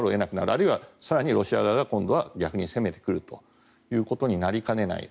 あるいは更にロシア側が攻めてくることになりかねない。